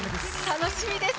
楽しみです